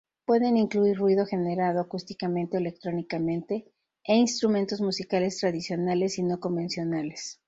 Pueden incluir ruido generado acústicamente o electrónicamente, e instrumentos musicales tradicionales y no convencionales.